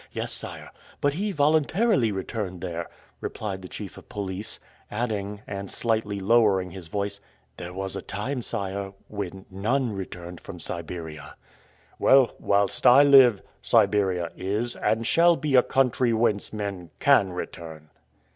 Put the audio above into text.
"Yes, sire; but he voluntarily returned there," replied the chief of police, adding, and slightly lowering his voice, "there was a time, sire, when NONE returned from Siberia." "Well, whilst I live, Siberia is and shall be a country whence men CAN return."